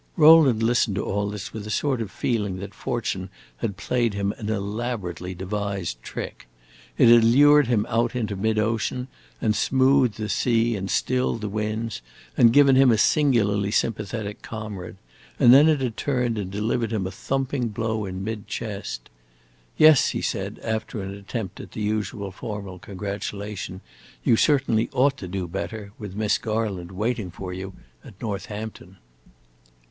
Rowland listened to all this with a sort of feeling that fortune had played him an elaborately devised trick. It had lured him out into mid ocean and smoothed the sea and stilled the winds and given him a singularly sympathetic comrade, and then it had turned and delivered him a thumping blow in mid chest. "Yes," he said, after an attempt at the usual formal congratulation, "you certainly ought to do better with Miss Garland waiting for you at Northampton."